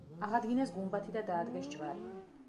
აღადგინეს გუმბათი და დაადგეს ჯვარი.